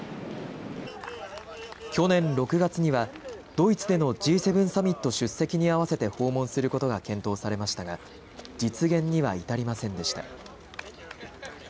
去年６月にはドイツでのＧ７サミット出席にあわせて訪問することが検討されましたが実現には至りませんでした。